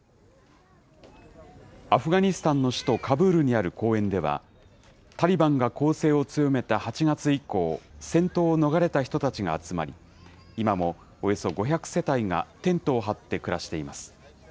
アフガニスタンの首都カブールにある公園では、タリバンが攻勢を強めた８月以降、戦闘を逃れた人たちが集まり、今もおよそ５００世帯がテントを張って暮らしています。